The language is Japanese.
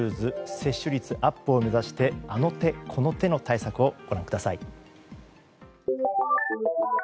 接種率アップを目指してあの手この手の対策をご覧ください。